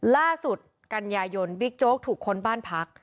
ล่าสุดกัญญายนบิ๊กโจ๊กถูกค้นบ้านพัก